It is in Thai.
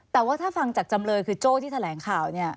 แต่ว่าถ้าฟังจากจำเลยคือโจ้ที่แถลงข่าวเนี่ย